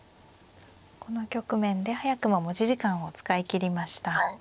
この局面で早くも持ち時間を使い切りました。